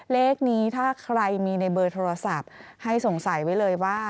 เลขนี้ถ้าใครมีในเบอร์โทรศัพท์ให้สงสัยไว้เลยว่า